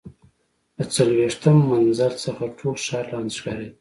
له څلوېښتم منزل څخه ټول ښار لاندې ښکارېده.